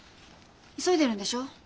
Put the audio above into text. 急いでるんでしょ？